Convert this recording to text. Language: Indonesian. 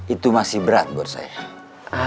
itu masih berat buat saya